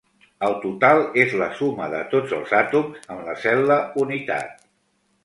El total és la suma de tots els àtoms en la cel·la unitat.